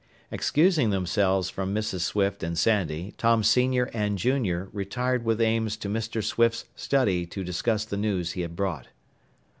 Excusing themselves from Mrs. Swift and Sandy, Tom Sr. and Jr. retired with Ames to Mr. Swift's study to discuss the news he had brought.